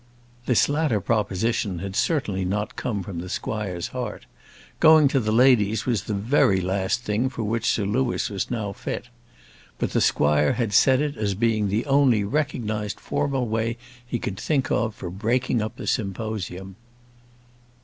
This latter proposition had certainly not come from the squire's heart: going to the ladies was the very last thing for which Sir Louis was now fit. But the squire had said it as being the only recognised formal way he could think of for breaking up the symposium.